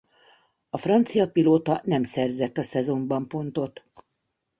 A francia pilóta nem szerzett a szezonban pontot.